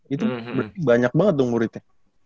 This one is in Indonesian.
itu banyak banget dong muridnya